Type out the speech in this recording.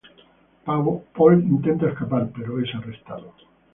Paul intenta escapar pero es arrestado.